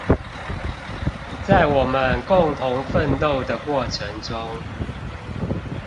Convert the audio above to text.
在我們共同奮鬥的過程中